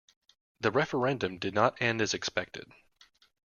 The referendum did not end as expected.